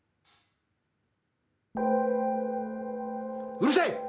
うるさい！